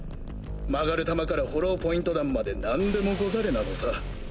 曲がる弾からホローポイント弾まで何でもござれなのさ。